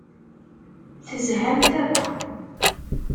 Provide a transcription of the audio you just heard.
Tezhamt akk.